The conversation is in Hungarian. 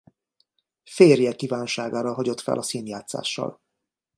Férje kívánságára hagyott fel a színjátszással.